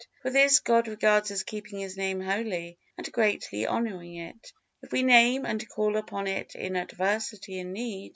For this God regards as keeping His Name holy and greatly honoring it, if we name and call upon it in adversity and need.